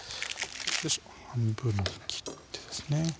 よいしょ半分に切ってですね